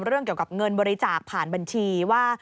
เรื่องเกี่ยวกับเงินบริจาคผ่านบัญชีว่า